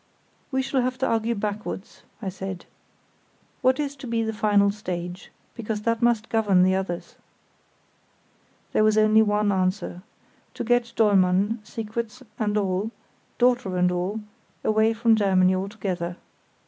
"We shall have to argue backwards," I said. "What is to be the final stage? Because that must govern the others." There was only one answer—to get Dollmann, secrets and all, daughter and all, away from Germany altogether.